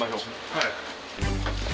はい。